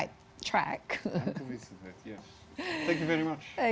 terima kasih banyak